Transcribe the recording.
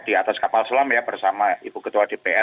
di atas kapal selam ya bersama ibu ketua dpr